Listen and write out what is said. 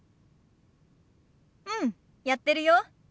うんやってるよ。